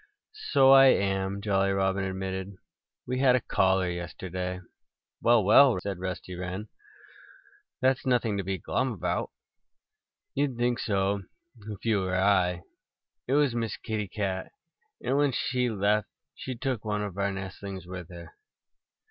"So I am," Jolly Robin admitted. "We had a caller yesterday." "Well, well!" said Rusty Wren. "That's nothing to be glum about." "You'd think so if you were I. It was Miss Kitty Cat. And when she left she took one of our nestlings with her."